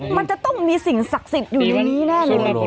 มันจะต้องมีสิ่งศักดิ์สิทธิ์อยู่ในนี้แน่เลย